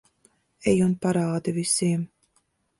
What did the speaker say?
Ej un parādi visiem.